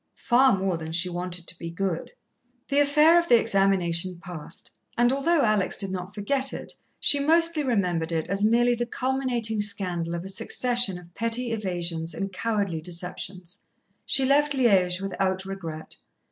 Far more than she wanted to be good. The affair of the examination passed, and although Alex did not forget it, she mostly remembered it as merely the culminating scandal of a succession of petty evasions and cowardly deceptions. She left Liège without regret.